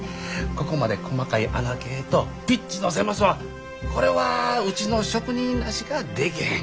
ここまで細かい孔径とピッチの狭さはこれはうちの職人らしかできへん。